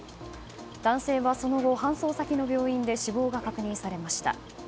男性はその後、搬送先の病院で死亡が確認されました。